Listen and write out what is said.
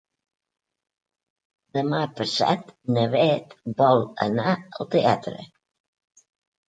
Demà passat na Bet vol anar al teatre.